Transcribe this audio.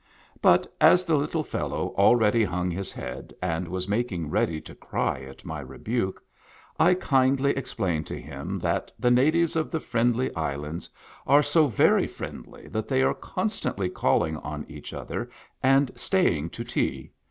But as the little fellow already hung his head and was making ready to cry at my rebuke, I kindly ex plained to him that the natives of the Friendly Islands are so very friendly that they are constantly calling on each other and staying to tea.